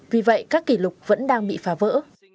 vì vậy các kỷ lục vẫn đang bị phá vỡ